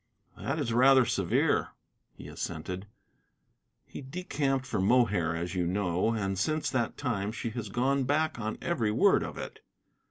"That is rather severe," he assented. "He decamped for Mohair, as you know, and since that time she has gone back on every word of it.